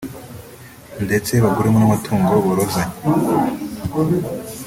ndetse baguremo n’amatungo borozanye